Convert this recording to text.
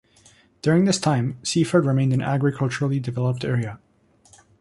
During this time, Seaford remained an agriculturally developed area.